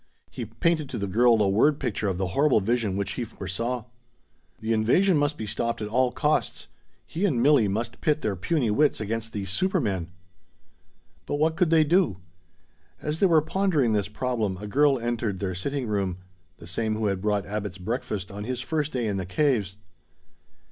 He painted to the girl a word picture of the horrible vision which he foresaw. The invasion must be stopped at all costs! He and Milli must pit their puny wits against these supermen! But what could they do? As they were pondering this problem, a girl entered their sitting room the same who had brought Abbot's breakfast on his first day in the caves.